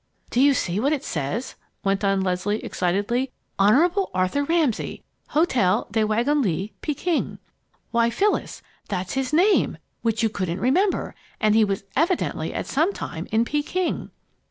"Do you see what it says?" went on Leslie, excitedly. "'Honorable Arthur Ramsay, Hotel des Wagons Lits, Peking'. Why, Phyllis, that's his name (which you couldn't remember!) and he was evidently at some time in Peking!"